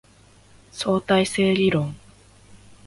相対性理論